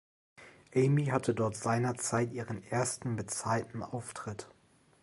Amy hatte dort seinerzeit ihren ersten bezahlten Auftritt.